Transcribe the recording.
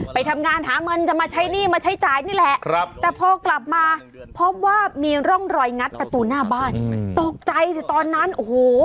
ไปทำงานหาเงินจะมาใช้หนี้มาใช้จ่ายนี่แหละแต่พอกลับมาพบว่ามีร่องรอยงัดประตูหน้าบ้านตกใจสิตอนนั้นโอ้โห